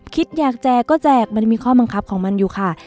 คิดอยากแจกก็แจกมันมีข้อบังคับของมันอยู่ค่ะ